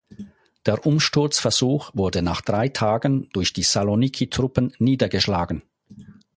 Der Umsturzversuch wurde nach drei Tagen durch die Saloniki-Truppen niedergeschlagen.